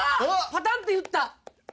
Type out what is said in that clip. パタンっていった。